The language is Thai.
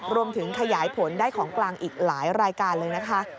รวมถึงขยายผลได้ของกลางอีกหลายรายการเลยนะคะ